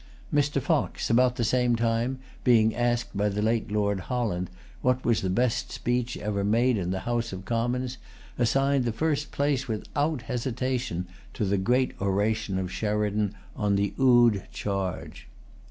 Mr. Fox, about the same time, being asked by the late Lord Holland[Pg 221] what was the best speech ever made in the House of Commons, assigned the first place, without hesitation, to the great oration of Sheridan on the Oude charge.